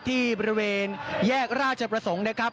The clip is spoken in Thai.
ที่บริเวณแยกราชประสงค์นะครับ